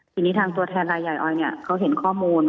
ทีนี้ทางตัวแทนรายใหญ่ออยเนี่ยเขาเห็นข้อมูล